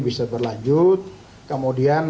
bisa berlanjut kemudian